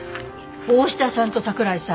大志田さんと桜井さん